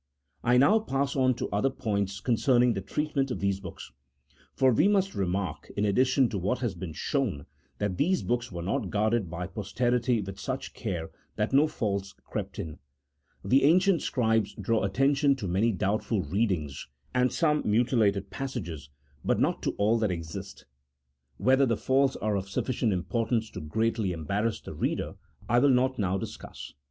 I now pass on to other points concerning the treatment of these books. For we must remark, in addition to what has been shown, that these books were not guarded by pos terity with such care that no faults crept in. The ancient scribes draw attention to many doubtful readings, and some mutilated passages, but not to all that exist : whether the 1 See Note 17. 140 A THE0L0GIC0 P0LITICAL TREATISE. [CHAP. IX. faults are of sufficient importance to greatly embarrass the reader I will not now discuss.